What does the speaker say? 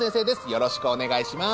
よろしくお願いします